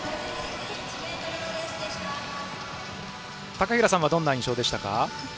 高平さんはどんな印象でしたか。